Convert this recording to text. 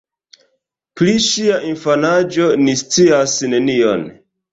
Pri ŝia infanaĝo ni scias nenion.